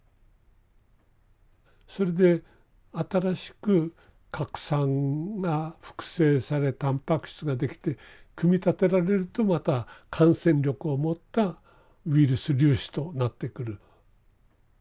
それで新しく核酸が複製されたんぱく質ができて組み立てられるとまた感染力を持ったウイルス粒子となってくる。